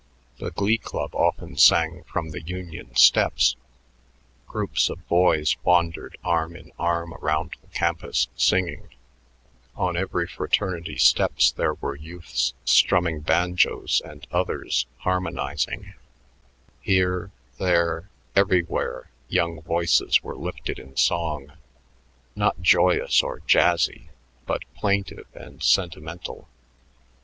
The Glee Club often sang from the Union steps; groups of boys wandered arm in arm around the campus singing; on every fraternity steps there were youths strumming banjos and others "harmonizing": here, there, everywhere young voices were lifted in song not joyous nor jazzy but plaintive and sentimental.